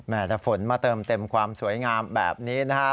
แต่ฝนมาเติมเต็มความสวยงามแบบนี้นะฮะ